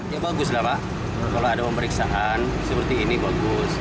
ya bagus lah pak kalau ada pemeriksaan seperti ini bagus